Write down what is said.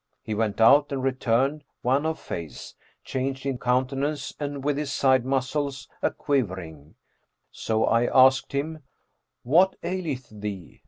He went out and returned, wan of face, changed in countenance and with his side muscles a quivering; so I asked him, 'What aileth thee?'